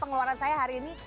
perhatikan saya disini